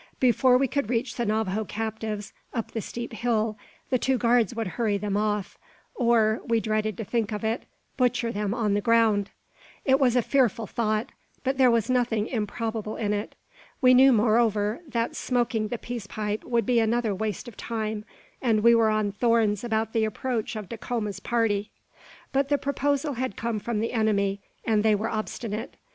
Before we could reach the Navajo captives, up the steep hill, the two guards would hurry them off; or (we dreaded to think of it) butcher them on the ground! It was a fearful thought, but there was nothing improbable in it. We knew, moreover, that smoking the peace pipe would be another waste of time; and we were on thorns about the approach of Dacoma's party. But the proposal had come from the enemy, and they were obstinate.